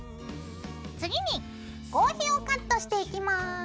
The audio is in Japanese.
次に合皮をカットしていきます。